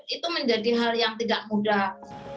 itu menjadi hal yang tidak mudah